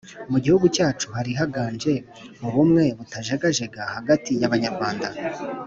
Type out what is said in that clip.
mu gihugu cyacu, hari haganje ubumwe butajegajega hagati y'Abanyarwanda: